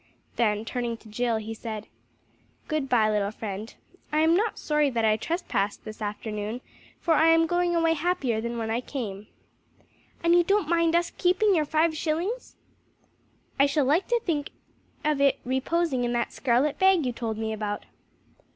Then turning to Jill he said "Good bye, little friend. I am not sorry that I trespassed this afternoon, for I am going away happier than when I came." "And you don't mind us keeping your five shillings?" "I shall like to think of it reposing in that scarlet bag you told me about!"